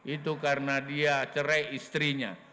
itu karena dia cerai istrinya